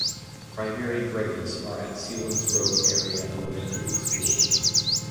Primary grades are at Selinsgrove Area Elementary School.